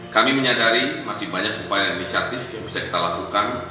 kami menyadari masih banyak upaya inisiatif yang bisa kita lakukan